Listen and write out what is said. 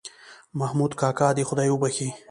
محمود کاکا دې خدای وبښې.